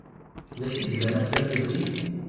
D acu yellan ass-a d uzzig?